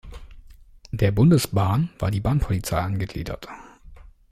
Der Bundesbahn war die Bahnpolizei angegliedert.